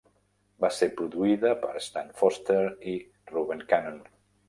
Va ser produïda per Stan Foster i Reuben Cannon.